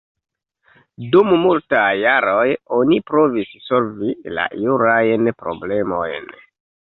Dum multaj jaroj oni provis solvi la jurajn problemojn.